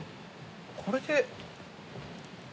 これで。